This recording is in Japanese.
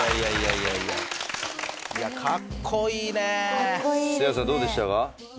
せいやさんどうでしたか？